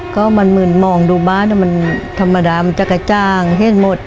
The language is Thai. ก็มันเหมือนมองดูบ้านมันธรรมดามันจักรจ้างเห็นหมด